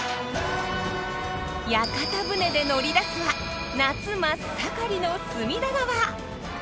屋形船で乗り出すは夏真っ盛りの隅田川。